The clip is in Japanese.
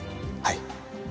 はい。